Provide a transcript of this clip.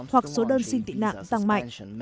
hoặc số đơn xin tị nạn tăng mạnh